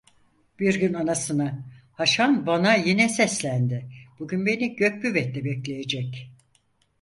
Bir gün anasına: 'Haşan bana yine seslendi; bugün beni Gök Büvet'te bekleyecek.